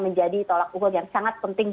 menjadi tolak ukur yang sangat penting